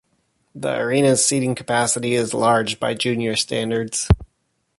The arena's seating capacity is large by junior standards.